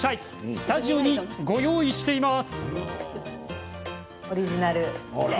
スタジオにご用意しています。